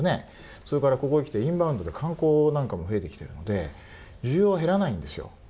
それからここへきてインバウンドで観光なんかも増えてきてるので需要は減らないんですよ。